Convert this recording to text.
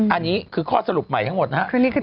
อันนี้คือข้อสรุปใหม่ทั้งหมดนะครับ